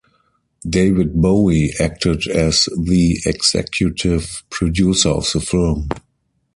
David Bowie acted as the executive producer of the film.